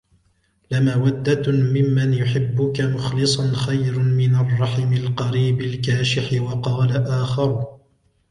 لَمَوَدَّةٌ مِمَّنْ يُحِبُّك مُخْلِصًا خَيْرٌ مِنْ الرَّحِمِ الْقَرِيبِ الْكَاشِحِ وَقَالَ آخَرُ